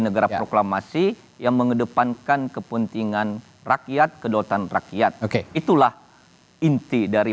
negara proklamasi yang mengedepankan kepentingan rakyat kedaulatan rakyat itulah inti dari